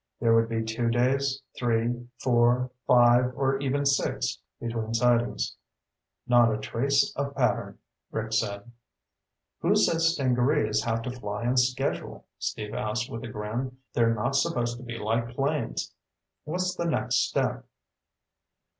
There would be two days, three, four, five, or even six between sightings. "Not a trace of pattern," Rick said. "Who says stingarees have to fly on schedule?" Steve asked with a grin. "They're not supposed to be like planes. What's the next step?"